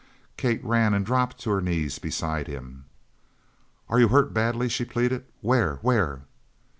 Kate ran and dropped to her knees beside him. "Are you hurt badly?" she pleaded. "Where? Where?"